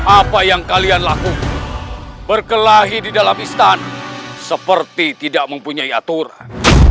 apa yang kalian lakukan berkelahi di dalam istana seperti tidak mempunyai aturan